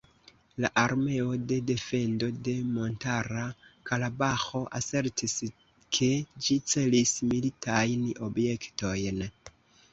La armeo de defendo de Montara Karabaĥo asertis ke ĝi celis militajn objektojn.